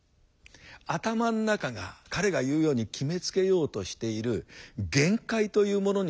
頭ん中が彼が言うように決めつけようとしている限界というものに対する魔よけ。